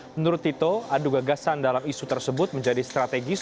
menurut tito adu gagasan dalam isu tersebut menjadi strategis